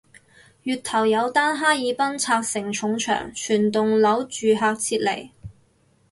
月頭有單哈爾濱拆承重牆全棟樓住客撤離